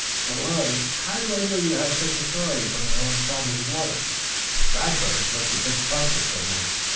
But, really, how do I know that you have such authority from your own side of the water?" Radberg looked a bit puzzled, for a moment.